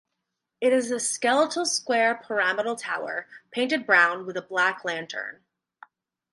It is a skeletal square pyramidal tower, painted brown, with a black lantern.